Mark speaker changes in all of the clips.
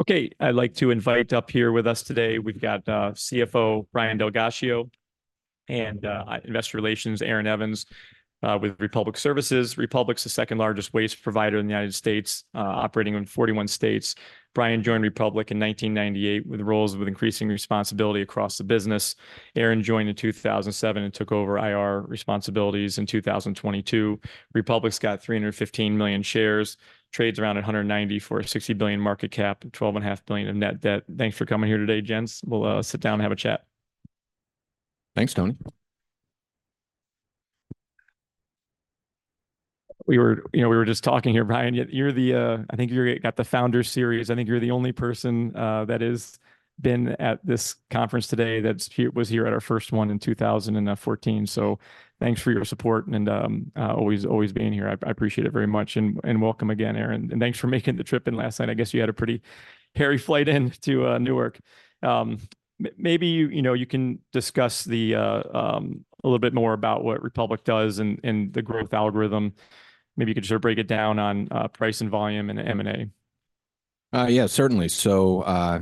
Speaker 1: Okay, I'd like to invite up here with us today. We've got CFO Brian DelGhiaccio. And investor relations Aaron Evans, with Republic Services. Republic's the second largest waste provider in the United States, operating in 41 states. Brian joined Republic in 1998 with roles with increasing responsibility across the business. Aaron joined in 2007 and took over IR responsibilities in 2022. Republic's got 315 million shares. Trades around $190 for a $60 billion market cap, $12.5 billion of net debt. Thanks for coming here today, Gents. We'll sit down and have a chat.
Speaker 2: Thanks, Tony.
Speaker 1: We were, you know, we were just talking here, Brian. Yet you're the, I think you got the founder series. I think you're the only person that has been at this conference today that was here at our first one in 2014. So thanks for your support and, always, always being here. I appreciate it very much and welcome again, Aaron. Thanks for making the trip in last night. I guess you had a pretty hairy flight in to Newark. Maybe you can discuss a little bit more about what Republic does and the growth algorithm. Maybe you could sort of break it down on price and volume and M&A.
Speaker 2: Yeah, certainly. So,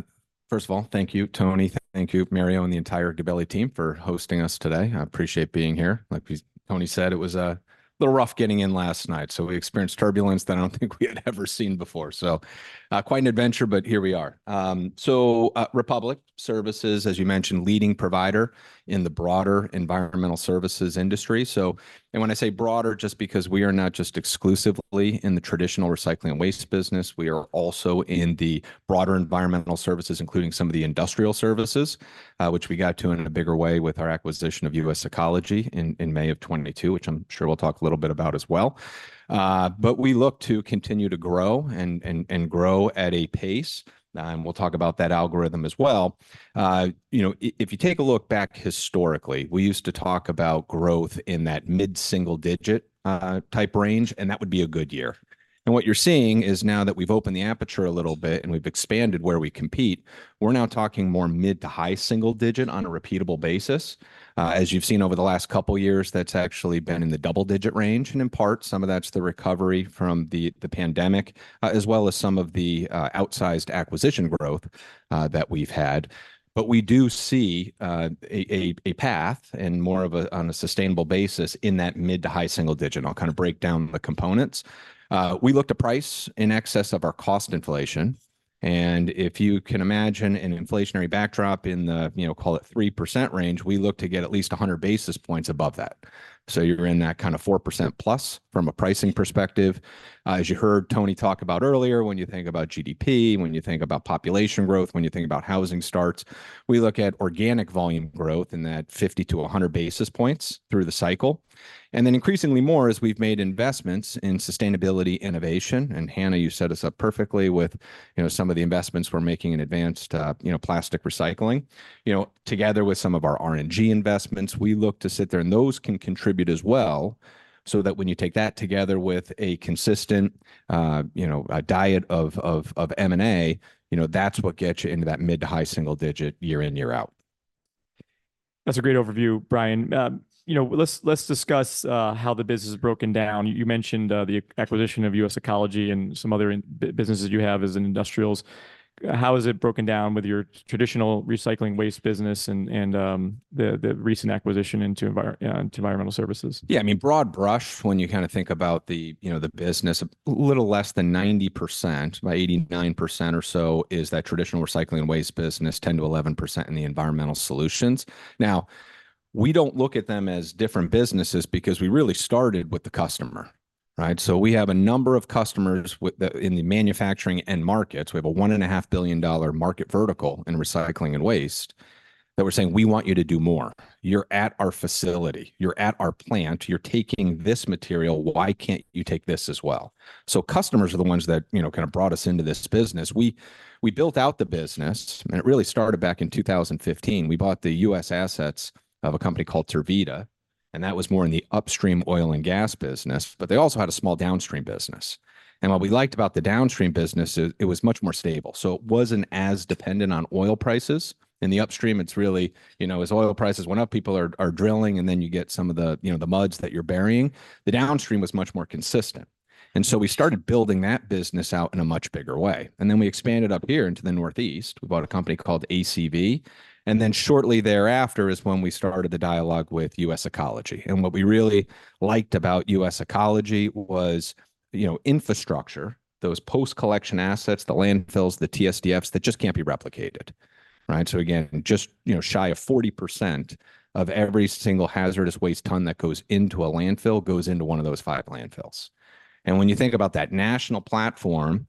Speaker 2: first of all, thank you, Tony. Thank you, Mario, and the entire Gabelli team for hosting us today. I appreciate being here. Like Tony said, it was a little rough getting in last night. So we experienced turbulence that I don't think we had ever seen before. So, quite an adventure, but here we are. So, Republic Services, as you mentioned, leading provider in the broader environmental services industry. So, and when I say broader, just because we are not just exclusively in the traditional recycling and waste business, we are also in the broader environmental services, including some of the industrial services, which we got to in a bigger way with our acquisition of U.S. Ecology in, in May of 2022, which I'm sure we'll talk a little bit about as well. But we look to continue to grow and grow at a pace. And we'll talk about that algorithm as well. You know, if you take a look back historically, we used to talk about growth in that mid-single digit type range, and that would be a good year. And what you're seeing is now that we've opened the aperture a little bit and we've expanded where we compete, we're now talking more mid- to high-single digit on a repeatable basis. As you've seen over the last couple of years, that's actually been in the double-digit range. And in part, some of that's the recovery from the pandemic, as well as some of the outsized acquisition growth that we've had. But we do see a path and more of a on a sustainable basis in that mid- to high-single digit. And I'll kind of break down the components. We look to price in excess of our cost inflation. And if you can imagine an inflationary backdrop in the, you know, call it 3% range, we look to get at least 100 basis points above that. So you're in that kind of 4% plus from a pricing perspective. As you heard Tony talk about earlier, when you think about GDP, when you think about population growth, when you think about housing starts, we look at organic volume growth in that 50-100 basis points through the cycle. And then increasingly more as we've made investments in sustainability, innovation. And Hanna, you set us up perfectly with, you know, some of the investments we're making in advanced, you know, plastic recycling. You know, together with some of our RNG investments, we look to sit there. And those can contribute as well. So that when you take that together with a consistent, you know, a diet of M&A, you know, that's what gets you into that mid- to high-single-digit year in, year out.
Speaker 1: That's a great overview, Brian. You know, let's discuss how the business is broken down. You mentioned the acquisition of U.S. Ecology and some other businesses you have as industrials. How is it broken down with your traditional recycling waste business and the recent acquisition into environmental services?
Speaker 2: Yeah, I mean, broad brush, when you kind of think about the, you know, the business, a little less than 90%, about 89% or so is that traditional recycling and waste business, 10%-11% in the environmental solutions. Now, we don't look at them as different businesses because we really started with the customer, right? So we have a number of customers with the in the manufacturing and markets. We have a $1.5 billion market vertical in recycling and waste that we're saying, we want you to do more. You're at our facility. You're at our plant. You're taking this material. Why can't you take this as well? So customers are the ones that, you know, kind of brought us into this business. We, we built out the business, and it really started back in 2015. We bought the U.S. assets of a company called Tervita. That was more in the upstream oil and gas business. But they also had a small downstream business. What we liked about the downstream business is it was much more stable. So it wasn't as dependent on oil prices. In the upstream, it's really, you know, as oil prices went up, people are drilling, and then you get some of the, you know, the muds that you're burying. The downstream was much more consistent. So we started building that business out in a much bigger way. Then we expanded up here into the Northeast. We bought a company called ACV. Then shortly thereafter is when we started the dialogue with U.S. Ecology. What we really liked about U.S. Ecology was, you know, infrastructure, those post-collection assets, the landfills, the TSDFs that just can't be replicated, right? So again, just, you know, shy of 40% of every single hazardous waste ton that goes into a landfill goes into one of those 5 landfills. And when you think about that national platform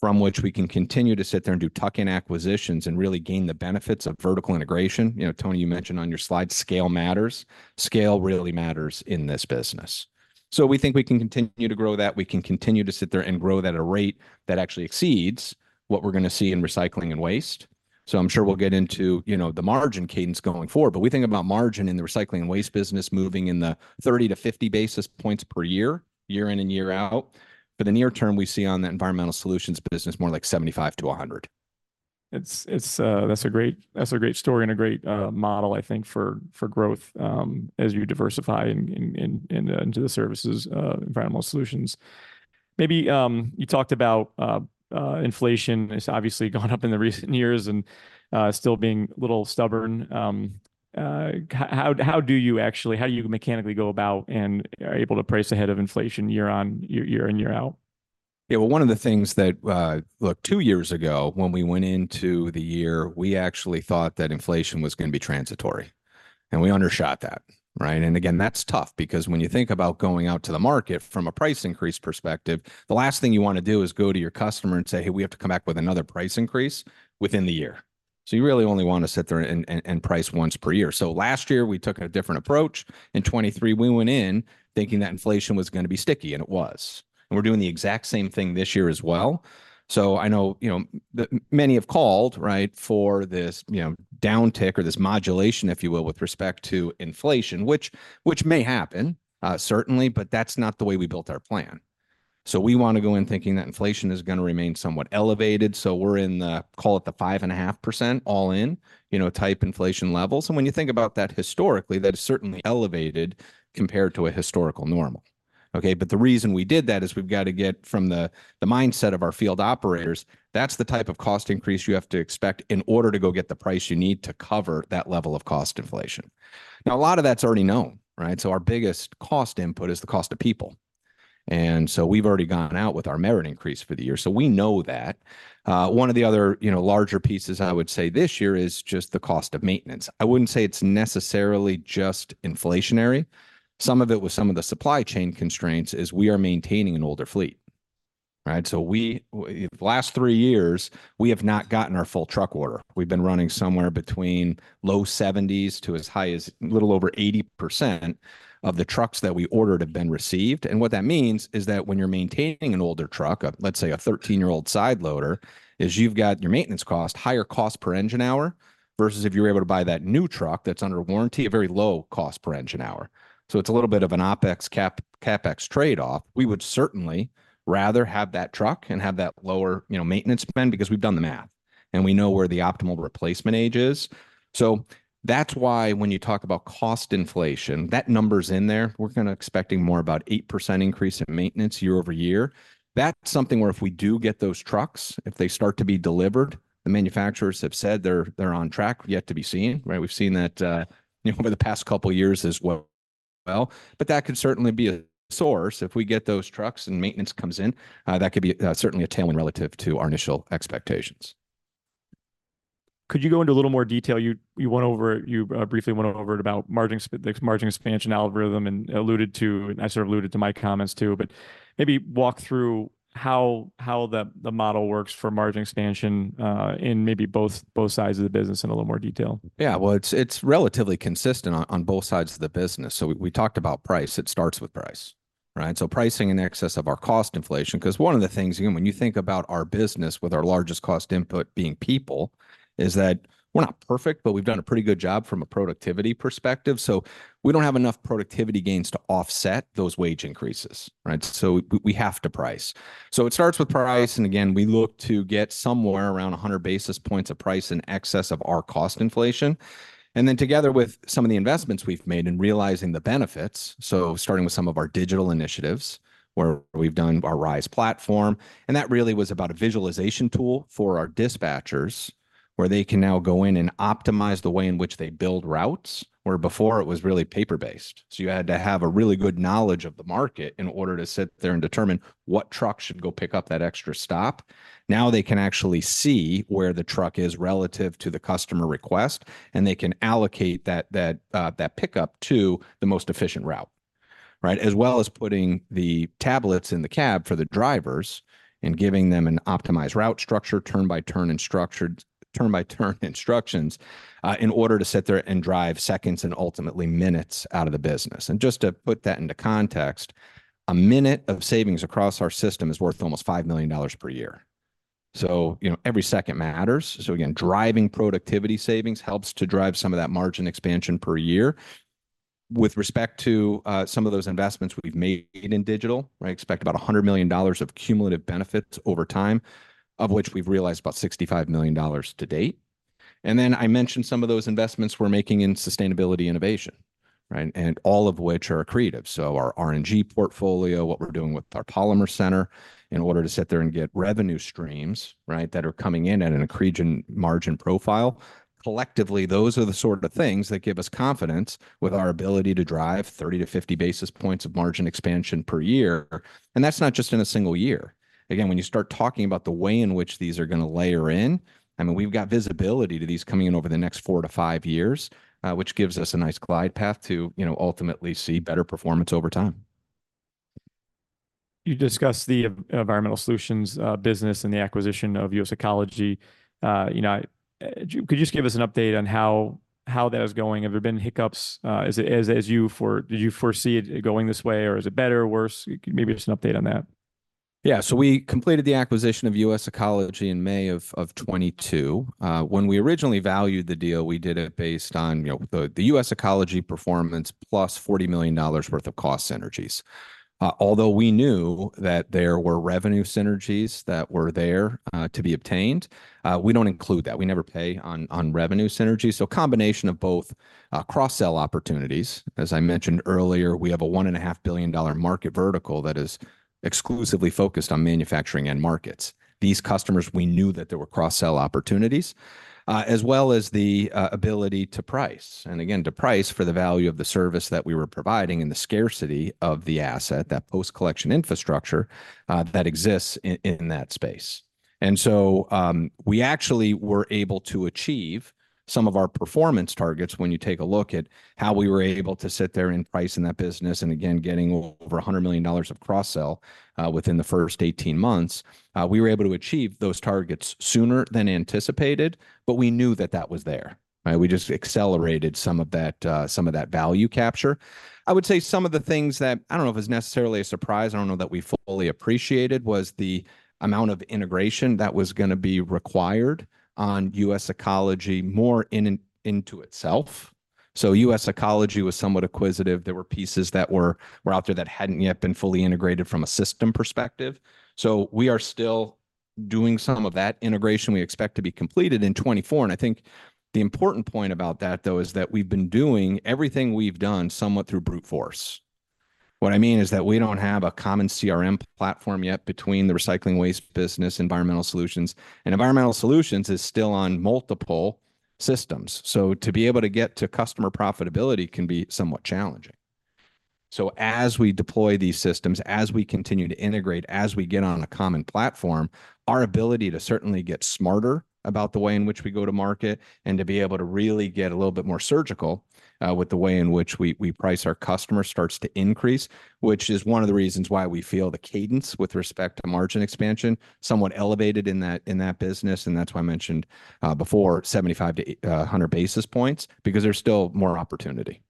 Speaker 2: from which we can continue to sit there and do tuck-in acquisitions and really gain the benefits of vertical integration, you know, Tony, you mentioned on your slide, scale matters. Scale really matters in this business. So we think we can continue to grow that. We can continue to sit there and grow that at a rate that actually exceeds what we're going to see in recycling and waste. So I'm sure we'll get into, you know, the margin cadence going forward. But we think about margin in the recycling and waste business moving in the 30-50 basis points per year, year in and year out. For the near term, we see on that environmental solutions business more like 75-100.
Speaker 1: It's a great story and a great model, I think, for growth, as you diversify into the services, environmental solutions. Maybe you talked about inflation has obviously gone up in the recent years and still being a little stubborn. How do you actually mechanically go about and are able to price ahead of inflation year on year, year in, year out?
Speaker 2: Yeah, well, one of the things that, look, two years ago, when we went into the year, we actually thought that inflation was going to be transitory. And we undershot that, right? And again, that's tough because when you think about going out to the market from a price increase perspective, the last thing you want to do is go to your customer and say, hey, we have to come back with another price increase within the year. So you really only want to sit there and price once per year. So last year we took a different approach. In 2023, we went in thinking that inflation was going to be sticky, and it was. And we're doing the exact same thing this year as well. So I know, many have called, right, for this, you know, downtick or this modulation, if you will, with respect to inflation, which may happen, certainly, but that's not the way we built our plan. So we want to go in thinking that inflation is going to remain somewhat elevated. So we're in the call it the 5.5% all in, you know, type inflation levels. And when you think about that historically, that is certainly elevated compared to a historical normal, okay? But the reason we did that is we've got to get from the mindset of our field operators, that's the type of cost increase you have to expect in order to go get the price you need to cover that level of cost inflation. Now, a lot of that's already known, right? So our biggest cost input is the cost of people. And so we've already gone out with our merit increase for the year. So we know that. One of the other, you know, larger pieces, I would say, this year is just the cost of maintenance. I wouldn't say it's necessarily just inflationary. Some of it was some of the supply chain constraints is we are maintaining an older fleet, right? So we, the last 3 years, we have not gotten our full truck order. We've been running somewhere between low 70s%-a little over 80% of the trucks that we ordered have been received. And what that means is that when you're maintaining an older truck, let's say a 13-year-old side loader, is you've got your maintenance cost, higher cost per engine hour versus if you're able to buy that new truck that's under warranty, a very low cost per engine hour. So it's a little bit of an OPEX cap, CAPEX trade-off. We would certainly rather have that truck and have that lower, you know, maintenance spend because we've done the math and we know where the optimal replacement age is. So that's why when you talk about cost inflation, that number's in there. We're kind of expecting more about an 8% increase in maintenance year-over-year. That's something where if we do get those trucks, if they start to be delivered, the manufacturers have said they're, they're on track. Yet to be seen, right? We've seen that, over the past couple of years as well. But that could certainly be a source if we get those trucks and maintenance comes in. That could be, certainly a tailwind relative to our initial expectations.
Speaker 1: Could you go into a little more detail? You went over, briefly went over it about margin, the margin expansion algorithm and alluded to, and I sort of alluded to my comments too, but maybe walk through how the model works for margin expansion, in maybe both sides of the business in a little more detail.
Speaker 2: Yeah, well, it's, it's relatively consistent on, on both sides of the business. So we, we talked about price. It starts with price, right? So pricing in excess of our cost inflation. Because one of the things, again, when you think about our business with our largest cost input being people, is that we're not perfect, but we've done a pretty good job from a productivity perspective. So we don't have enough productivity gains to offset those wage increases, right? So we, we have to price. So it starts with price. And again, we look to get somewhere around 100 basis points of price in excess of our cost inflation. And then together with some of the investments we've made and realizing the benefits, so starting with some of our digital initiatives where we've done our RISE platform. That really was about a visualization tool for our dispatchers where they can now go in and optimize the way in which they build routes where before it was really paper-based. So you had to have a really good knowledge of the market in order to sit there and determine what truck should go pick up that extra stop. Now they can actually see where the truck is relative to the customer request, and they can allocate that pickup to the most efficient route, right? As well as putting the tablets in the cab for the drivers and giving them an optimized route structure, turn-by-turn instructions, in order to sit there and drive seconds and ultimately minutes out of the business. And just to put that into context, a minute of savings across our system is worth almost $5 million per year. So, you know, every second matters. Again, driving productivity savings helps to drive some of that margin expansion per year. With respect to some of those investments we've made in digital, right, expect about $100 million of cumulative benefits over time, of which we've realized about $65 million to date. Then I mentioned some of those investments we're making in sustainability innovation, right? And all of which are accretive. So our RNG portfolio, what we're doing with our polymer center in order to sit there and get revenue streams, right, that are coming in at an accretion margin profile. Collectively, those are the sort of things that give us confidence with our ability to drive 30-50 basis points of margin expansion per year. And that's not just in a single year. Again, when you start talking about the way in which these are going to layer in, I mean, we've got visibility to these coming in over the next 4-5 years, which gives us a nice glide path to, you know, ultimately see better performance over time.
Speaker 1: You discussed the environmental solutions business and the acquisition of US Ecology. You know, could you just give us an update on how that is going? Have there been hiccups? Is it as you foresaw it going this way or is it better, worse? Maybe just an update on that.
Speaker 2: Yeah, so we completed the acquisition of U.S. Ecology in May of 2022. When we originally valued the deal, we did it based on, you know, the U.S. Ecology performance plus $40 million worth of cost synergies. Although we knew that there were revenue synergies that were there to be obtained, we don't include that. We never pay on revenue synergies. So a combination of both, cross-sell opportunities. As I mentioned earlier, we have a $1.5 billion market vertical that is exclusively focused on manufacturing and markets. These customers, we knew that there were cross-sell opportunities, as well as the ability to price. And again, to price for the value of the service that we were providing and the scarcity of the asset, that post-collection infrastructure that exists in that space. We actually were able to achieve some of our performance targets when you take a look at how we were able to sit there and price in that business. And again, getting over $100 million of cross-sell, within the first 18 months, we were able to achieve those targets sooner than anticipated, but we knew that that was there, right? We just accelerated some of that, some of that value capture. I would say some of the things that I don't know if it was necessarily a surprise. I don't know that we fully appreciated was the amount of integration that was going to be required on U.S. Ecology more into itself. So U.S. Ecology was somewhat acquisitive. There were pieces that were out there that hadn't yet been fully integrated from a system perspective. So we are still doing some of that integration. We expect to be completed in 2024. I think the important point about that, though, is that we've been doing everything we've done somewhat through brute force. What I mean is that we don't have a common CRM platform yet between the recycling and waste business, environmental solutions. Environmental solutions is still on multiple systems. So to be able to get to customer profitability can be somewhat challenging. So as we deploy these systems, as we continue to integrate, as we get on a common platform, our ability to certainly get smarter about the way in which we go to market and to be able to really get a little bit more surgical, with the way in which we, we price our customers starts to increase, which is one of the reasons why we feel the cadence with respect to margin expansion somewhat elevated in that, in that business. That's why I mentioned, before, 75-100 basis points because there's still more opportunity.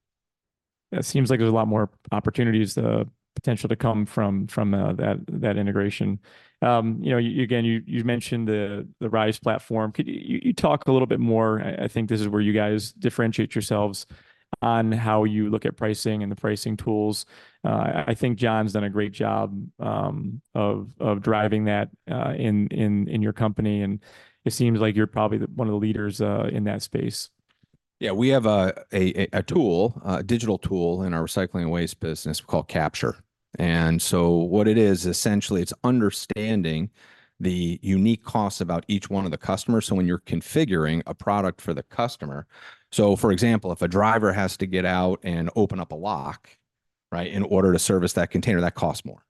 Speaker 1: Yeah, it seems like there's a lot more opportunities, the potential to come from that integration. You again, you mentioned the RISE platform. Could you talk a little bit more? I think this is where you guys differentiate yourselves on how you look at pricing and the pricing tools. I think John's done a great job of driving that in your company. And it seems like you're probably one of the leaders in that space.
Speaker 2: Yeah, we have a tool, a digital tool in our recycling and waste business we call Capture. And so what it is, essentially, it's understanding the unique costs about each one of the customers. So when you're configuring a product for the customer, so for example, if a driver has to get out and open up a lock, right, in order to service that container, that costs more.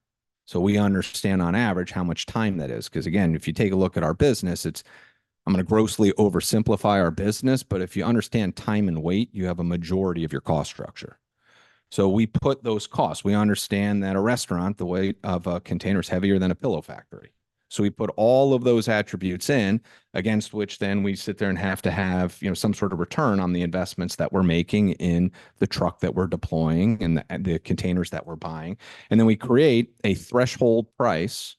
Speaker 2: So we understand on average how much time that is. Because again, if you take a look at our business, it's, I'm going to grossly oversimplify our business, but if you understand time and weight, you have a majority of your cost structure. So we put those costs. We understand that a restaurant, the weight of a container is heavier than a pillow factory. So we put all of those attributes in against which then we sit there and have to have, you know, some sort of return on the investments that we're making in the truck that we're deploying and the containers that we're buying. And then we create a threshold price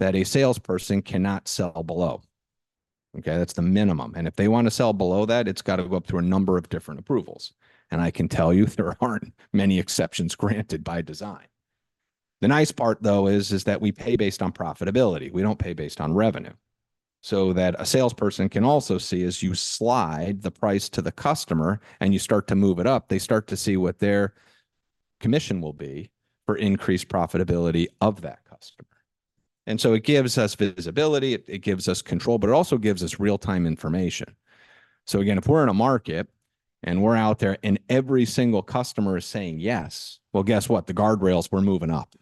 Speaker 2: that a salesperson cannot sell below. Okay, that's the minimum. And if they want to sell below that, it's got to go up through a number of different approvals. And I can tell you there aren't many exceptions granted by design. The nice part, though, is that we pay based on profitability. We don't pay based on revenue. So that a salesperson can also see as you slide the price to the customer and you start to move it up, they start to see what their commission will be for increased profitability of that customer. And so it gives us visibility. It gives us control, but it also gives us real-time information. So again, if we're in a market and we're out there and every single customer is saying yes, well, guess what? The guardrails, we're moving up.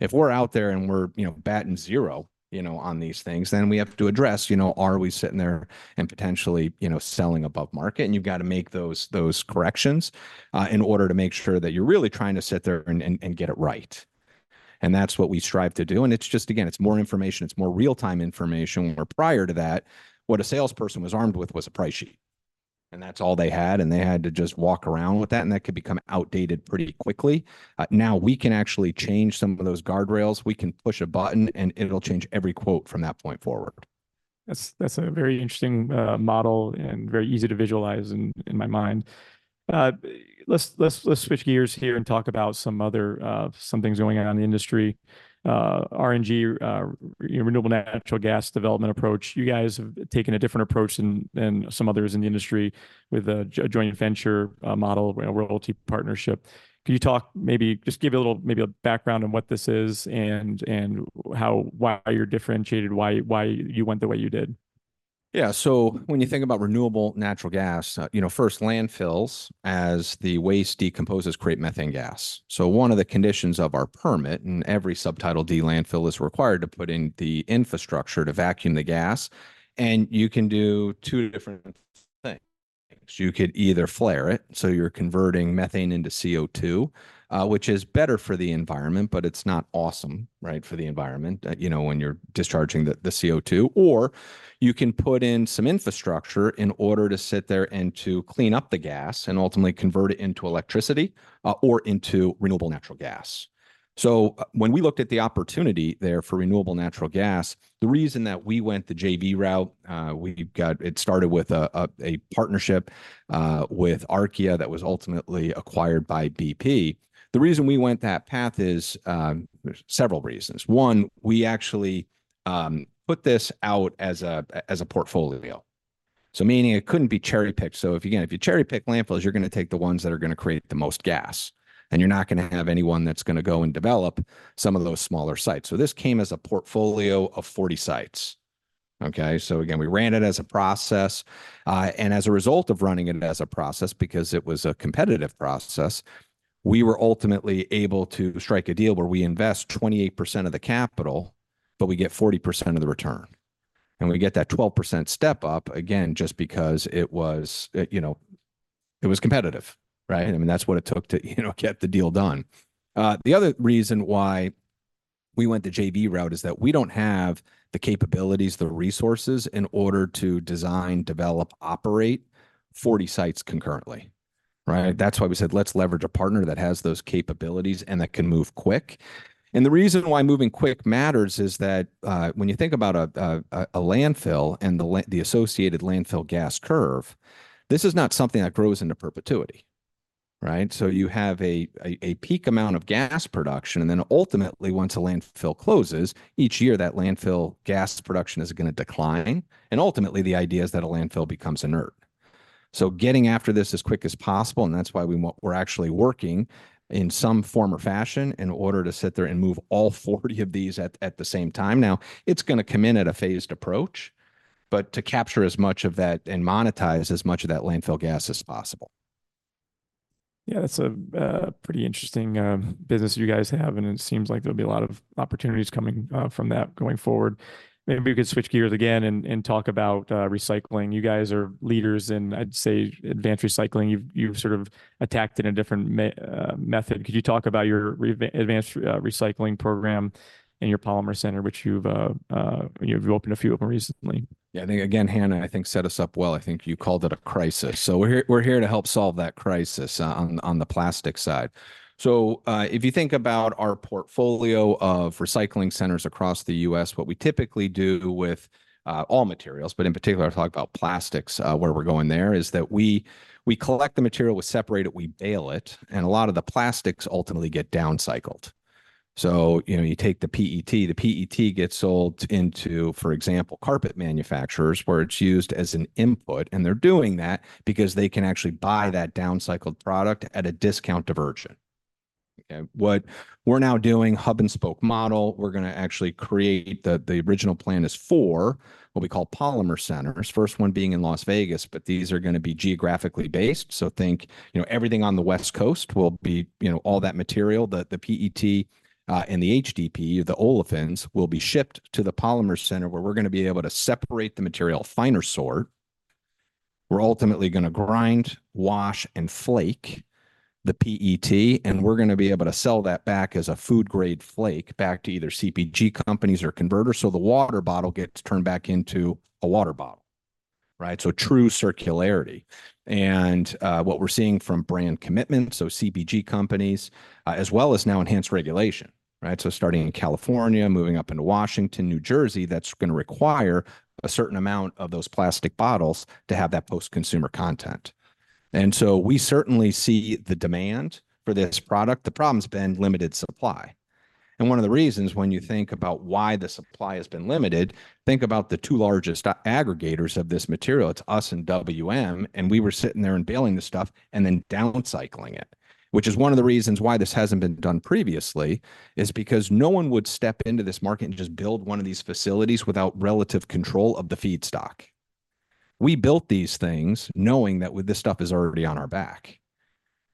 Speaker 2: If we're out there and we're, you know, batting zero, you know, on these things, then we have to address, you know, are we sitting there and potentially, you know, selling above market? And you've got to make those corrections, in order to make sure that you're really trying to sit there and get it right. And that's what we strive to do. And it's just, again, it's more information. It's more real-time information where prior to that, what a salesperson was armed with was a price sheet. And that's all they had. And they had to just walk around with that. That could become outdated pretty quickly. Now we can actually change some of those guardrails. We can push a button and it'll change every quote from that point forward.
Speaker 1: That's a very interesting model and very easy to visualize in my mind. Let's switch gears here and talk about some other things going on in the industry. RNG, you know, renewable natural gas development approach. You guys have taken a different approach than some others in the industry with a joint venture model, you know, royalty partnership. Could you talk, maybe just give a little background on what this is and how, why you're differentiated, why you went the way you did?
Speaker 2: Yeah, so when you think about renewable natural gas, you know, first, landfills as the waste decomposes create methane gas. So one of the conditions of our permit and every Subtitle D Landfill is required to put in the infrastructure to vacuum the gas. And you can do two different things. You could either flare it. So you're converting methane into CO2, which is better for the environment, but it's not awesome, right, for the environment, you know, when you're discharging the CO2. Or you can put in some infrastructure in order to sit there and to clean up the gas and ultimately convert it into electricity, or into renewable natural gas. So when we looked at the opportunity there for renewable natural gas, the reason that we went the JV route, it started with a partnership with Archaea that was ultimately acquired by BP. The reason we went that path is, there's several reasons. One, we actually put this out as a portfolio. So meaning it couldn't be cherry picked. So, again, if you cherry pick landfills, you're going to take the ones that are going to create the most gas and you're not going to have anyone that's going to go and develop some of those smaller sites. So this came as a portfolio of 40 sites. Okay, so again, we ran it as a process, and as a result of running it as a process, because it was a competitive process, we were ultimately able to strike a deal where we invest 28% of the capital, but we get 40% of the return. And we get that 12% step up, again, just because it was, it was competitive, right? I mean, that's what it took to, get the deal done. The other reason why we went the JV route is that we don't have the capabilities, the resources in order to design, develop, operate 40 sites concurrently, right? That's why we said, let's leverage a partner that has those capabilities and that can move quick. And the reason why moving quick matters is that, when you think about a landfill and the associated landfill gas curve, this is not something that grows into perpetuity, right? So you have a peak amount of gas production. And then ultimately, once a landfill closes each year, that landfill gas production is going to decline. And ultimately, the idea is that a landfill becomes inert. So getting after this as quick as possible, and that's why we're actually working in some form or fashion in order to sit there and move all 40 of these at the same time. Now, it's going to come in at a phased approach, but to capture as much of that and monetize as much of that landfill gas as possible.
Speaker 1: Yeah, that's a pretty interesting business you guys have. And it seems like there'll be a lot of opportunities coming from that going forward. Maybe we could switch gears again and talk about recycling. You guys are leaders in, I'd say, advanced recycling. You've sort of attacked it in a different method. Could you talk about your advanced recycling program and your polymer center, which you've, opened a few of them recently?
Speaker 2: Yeah, I think, again, Hannah, I think set us up well. I think you called it a crisis. So we're here, we're here to help solve that crisis, on the plastic side. So, if you think about our portfolio of recycling centers across the U.S., what we typically do with all materials, but in particular, I'll talk about plastics, where we're going there, is that we collect the material, we separate it, we bale it, and a lot of the plastics ultimately get downcycled. So, you know, you take the PET. The PET gets sold into, for example, carpet manufacturers where it's used as an input. And they're doing that because they can actually buy that downcycled product at a discounted version. Okay, what we're now doing, hub and spoke model, we're going to actually create the original plan is for what we call polymer centers. First one being in Las Vegas, but these are going to be geographically based. So think, you know, everything on the West Coast will be, you know, all that material, the, the PET, and the HDPE, the olefins, will be shipped to the polymer center where we're going to be able to separate the material finer sort. We're ultimately going to grind, wash, and flake the PET, and we're going to be able to sell that back as a food-grade flake back to either CPG companies or converters. So the water bottle gets turned back into a water bottle, right? So true circularity. And, what we're seeing from brand commitments, so CPG companies, as well as now enhanced regulation, right? So starting in California, moving up into Washington, New Jersey, that's going to require a certain amount of those plastic bottles to have that post-consumer content. And so we certainly see the demand for this product. The problem has been limited supply. And one of the reasons when you think about why the supply has been limited, think about the two largest aggregators of this material. It's us and WM. And we were sitting there and baling this stuff and then downcycling it, which is one of the reasons why this hasn't been done previously, is because no one would step into this market and just build one of these facilities without relative control of the feedstock. We built these things knowing that this stuff is already on our back.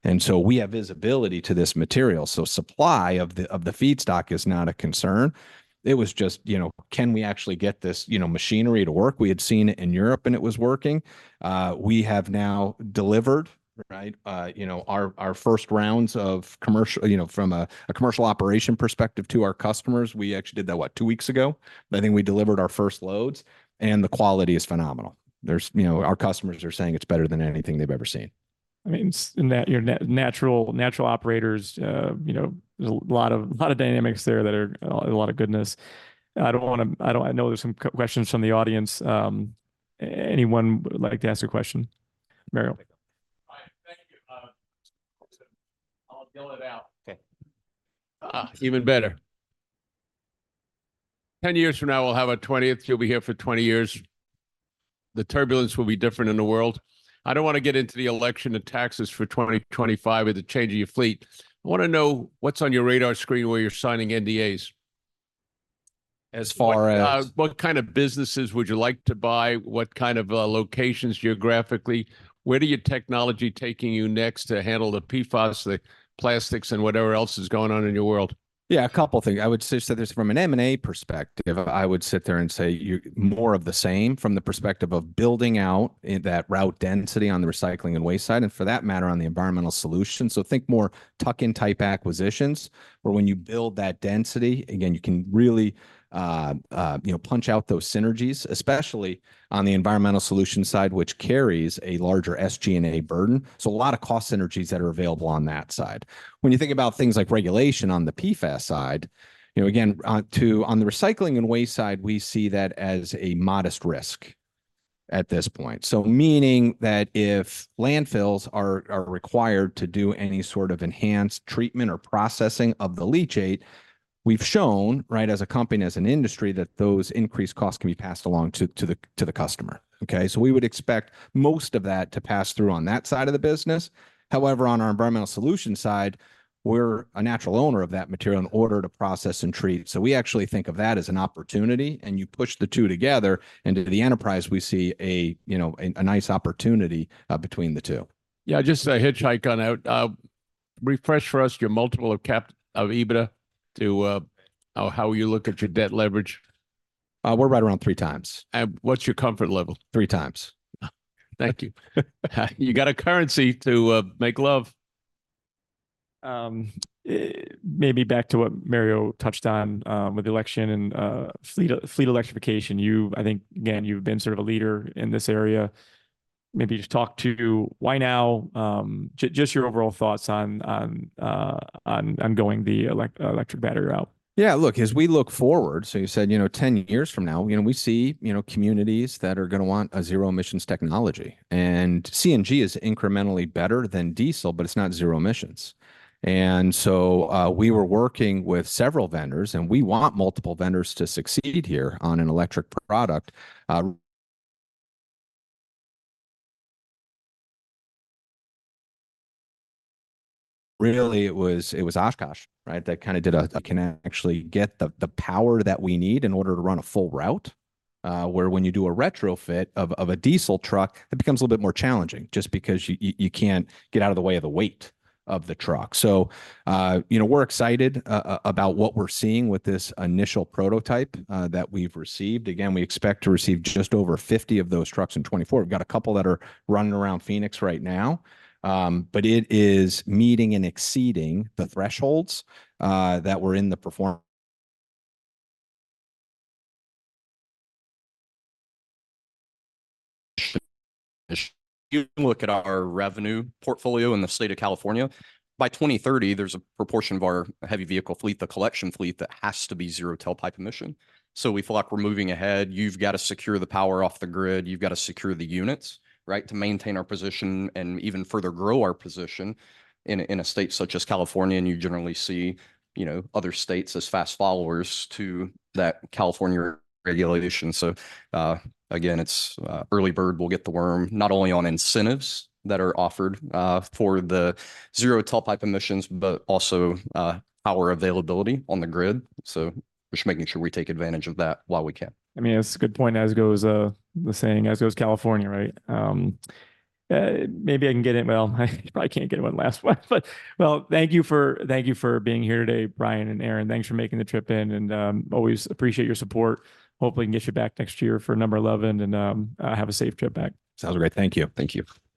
Speaker 2: And so we have visibility to this material. So supply of the, of the feedstock is not a concern. It was just, you know, can we actually get this, you know, machinery to work? We had seen it in Europe and it was working. We have now delivered, right? Our first rounds of commercial, you know, from a commercial operation perspective to our customers. We actually did that, what, two weeks ago? I think we delivered our first loads and the quality is phenomenal. There's, you know, our customers are saying it's better than anything they've ever seen.
Speaker 1: I mean, in that, you're natural, natural operators, you know, there's a lot of, a lot of dynamics there that are a lot of goodness. I don't want to, I don't, I know there's some questions from the audience. Anyone would like to ask a question? Mario.
Speaker 3: All right, thank you. I'll deal it out. Okay. Even better. 10 years from now, we'll have a 20th. You'll be here for 20 years. The turbulence will be different in the world. I don't want to get into the election and taxes for 2025 with the change of your fleet. I want to know what's on your radar screen where you're signing NDAs.
Speaker 2: As far as.
Speaker 3: What kind of businesses would you like to buy? What kind of locations geographically? Where do your technology taking you next to handle the PFAS, the plastics, and whatever else is going on in your world?
Speaker 2: Yeah, a couple of things. I would say from an M&A perspective, I would sit there and say you're more of the same from the perspective of building out that route density on the recycling and waste side and for that matter, on the environmental solution. So think more tuck-in type acquisitions where when you build that density, again, you can really, you know, punch out those synergies, especially on the environmental solution side, which carries a larger SG&A burden. So a lot of cost synergies that are available on that side. When you think about things like regulation on the PFAS side, again, on the recycling and waste side, we see that as a modest risk at this point. So meaning that if landfills are required to do any sort of enhanced treatment or processing of the leachate, we've shown, right, as a company, as an industry, that those increased costs can be passed along to the customer. Okay, so we would expect most of that to pass through on that side of the business. However, on our environmental solution side, we're a natural owner of that material in order to process and treat. So we actually think of that as an opportunity. You push the two together into the enterprise, we see a, you know, a nice opportunity between the two.
Speaker 3: Yeah, just a hitchhike on that. Refresh for us your multiple of cap of EBITDA to how you look at your debt leverage.
Speaker 2: We're right around 3 times.
Speaker 3: What's your comfort level?
Speaker 2: Three times.
Speaker 3: Thank you. You got a currency to make love.
Speaker 1: Maybe back to what Mario touched on, with the election and fleet electrification. You, I think, again, you've been sort of a leader in this area. Maybe just talk to why now, just your overall thoughts on going the electric battery route.
Speaker 2: Yeah, look, as we look forward, so you said, you know, ten years from now, you know, we see, communities that are going to want a zero emissions technology. And CNG is incrementally better than diesel, but it's not zero emissions. And so, we were working with several vendors and we want multiple vendors to succeed here on an electric product. Really it was, it was Oshkosh, right, that kind of did. Can actually get the, the power that we need in order to run a full route, where when you do a retrofit of, of a diesel truck, it becomes a little bit more challenging just because you, you, you can't get out of the way of the weight of the truck. So, you know, we're excited about what we're seeing with this initial prototype that we've received. Again, we expect to receive just over 50 of those trucks in 2024. We've got a couple that are running around Phoenix right now, but it is meeting and exceeding the thresholds that were in the performance. You can look at our revenue portfolio in the state of California. By 2030, there's a proportion of our heavy vehicle fleet, the collection fleet, that has to be zero tailpipe emission. So we feel like we're moving ahead. You've got to secure the power off the grid. You've got to secure the units, right, to maintain our position and even further grow our position in, in a state such as California. And you generally see, other states as fast followers to that California regulation. So, again, it's early bird will get the worm, not only on incentives that are offered for the zero tailpipe emissions, but also our availability on the grid. So just making sure we take advantage of that while we can.
Speaker 1: I mean, it's a good point as goes, the saying, as goes California, right? Maybe I can get in. Well, I probably can't get in one last one, but, well, thank you for, thank you for being here today, Brian and Aaron. Thanks for making the trip in and, always appreciate your support. Hopefully can get you back next year for number 11 and, have a safe trip back.
Speaker 2: Sounds great. Thank you. Thank you.